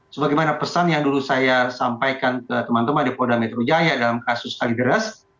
sebagaimana pesan yang dulu saya sampaikan ke teman teman di polda metro jaya dalam kasus ali deras